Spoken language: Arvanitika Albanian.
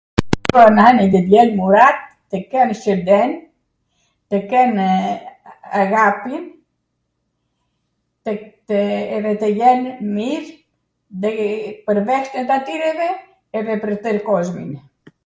pwr nan edhe djelm urat, tw ken shwnden, tw kenw aghapin edhe tw jenw mir pwr vehten t' atireve edhe pwr twr kozmin